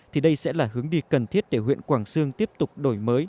thì đây sẽ là hướng đi cần thiết để huyện quảng sương tiếp tục đổi mới